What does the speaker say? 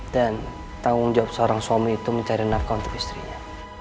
dan tanggung jawab seorang suami itu mencari nafkah untuk istrinya